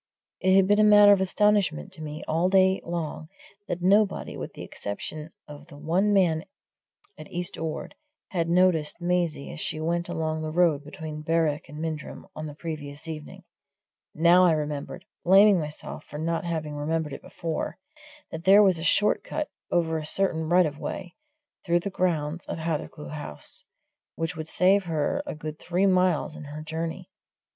It had been a matter of astonishment to me all day long that nobody, with the exception of the one man at East Ord, had noticed Maisie as she went along the road between Berwick and Mindrum on the previous evening now I remembered, blaming myself for not having remembered it before, that there was a short cut, over a certain right of way, through the grounds of Hathercleugh House, which would save her a good three miles in her journey.